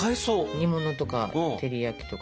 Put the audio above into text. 煮物とか照り焼きとか。